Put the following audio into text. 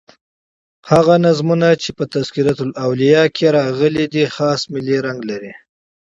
هغه نظمونه چي په "تذکرةالاولیاء" کښي راغلي دي خاص ملي رنګ لري.